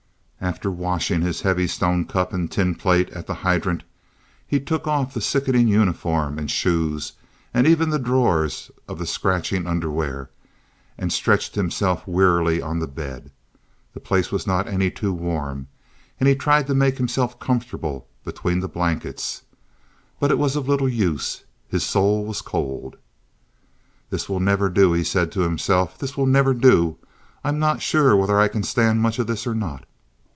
After washing his heavy stone cup and tin plate at the hydrant, he took off the sickening uniform and shoes and even the drawers of the scratching underwear, and stretched himself wearily on the bed. The place was not any too warm, and he tried to make himself comfortable between the blankets—but it was of little use. His soul was cold. "This will never do," he said to himself. "This will never do. I'm not sure whether I can stand much of this or not."